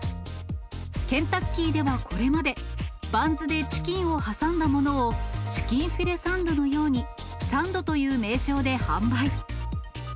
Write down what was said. ケンタッキーではこれまで、バンズでチキンを挟んだものをチキンフィレサンドのように、サンドという名称で販売。